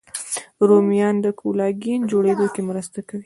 رومیان د کولاګین جوړېدو کې مرسته کوي